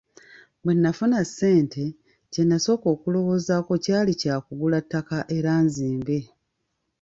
Bwe nafuna ssente, kye nasooka okulowoozaako kyali kya kugula ttaka era nzimbe.